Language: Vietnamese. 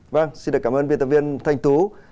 vâng xin cảm ơn biên tập viên thanh tú